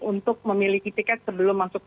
untuk memiliki tiket sebelum masuk